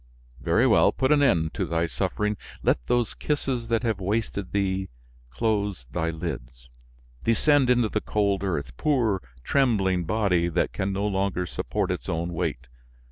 Very well, put an end to thy suffering; let those kisses that have wasted thee, close thy lids! Descend into the cold earth, poor trembling body that can no longer support its own weight.